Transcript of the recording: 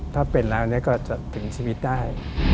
ถ้าเป็นแล้วก็จะถึงชีวิตได้